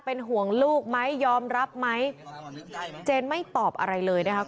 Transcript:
เป็นห่วงลูกไหมยอมรับไหมเจนไม่ตอบอะไรเลยนะครับ